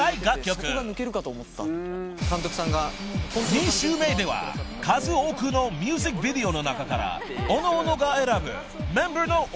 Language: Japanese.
［２週目では数多くのミュージックビデオの中からおのおのが選ぶメンバーの推しカットを大発表］